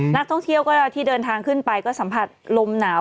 นักท่องเที่ยวก็ที่เดินทางขึ้นไปก็สัมผัสลมหนาว